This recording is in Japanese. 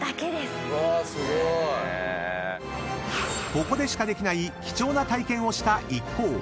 ［ここでしかできない貴重な体験をした一行］